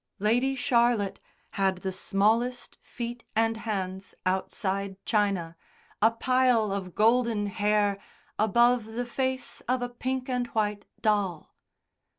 Lady Charlotte had the smallest feet and hands outside China, a pile of golden hair above the face of a pink and white doll.